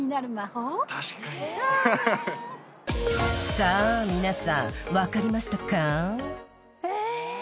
［さあ皆さん分かりましたか？］えっ！？